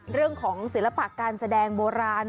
เรื่องของศิลปะการแสดงโบราณ